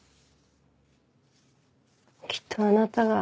きっとあなたが。